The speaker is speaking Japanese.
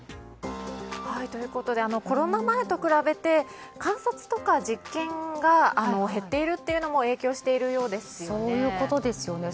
ということでコロナ前と比べて観察とか実験が減っているというのも影響しているようですよね。